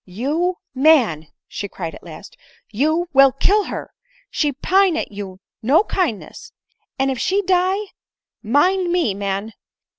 " You man !" she cried at last, " you will kill her ; she pine at your no kindness ; and if she 4ie, mind me, man